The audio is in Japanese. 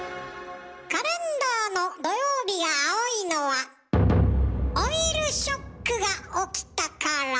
カレンダーの土曜日が青いのはオイルショックが起きたから。